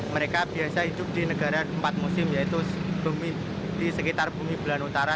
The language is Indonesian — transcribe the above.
mereka biasa hidup di negara empat musim yaitu di sekitar bumi bulan utara